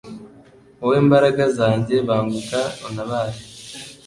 wowe mbaraga zanjye banguka untabare